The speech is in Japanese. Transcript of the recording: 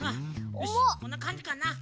よしこんなかんじかなうん。